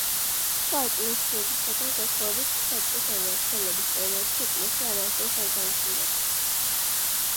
სხვა ეკლესიებისაგან განსხვავებით საბჭოთა მმართველობის პერიოდში ეკლესია არასოდეს არ დაუხურავთ.